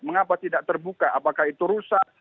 mengapa tidak terbuka apakah itu rusak